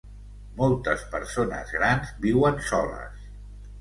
Moltes persones grans viuen soles.